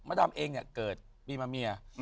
มาดามเองเกิดปีมาเมีย